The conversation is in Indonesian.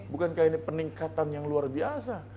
bukan kayak peningkatan yang luar biasa